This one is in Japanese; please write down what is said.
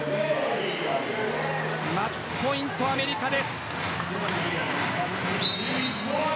マッチポイント、アメリカです。